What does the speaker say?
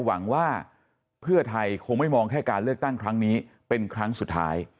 หวังว่าเพื่อไทยคงไม่มองแค่การเลือกตั้งครั้งนี้เป็นครั้งสุดท้าย